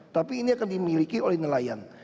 tapi ini akan dimiliki oleh nelayan